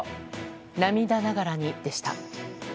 涙ながらにでした。